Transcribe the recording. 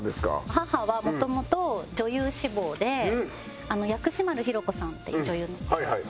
母はもともと女優志望で薬師丸ひろ子さんって女優の。